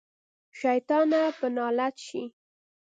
شيطانه په نالت شې.